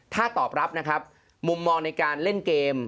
ถ้าตอบรับนะครับมุมมองในการเล่นเกม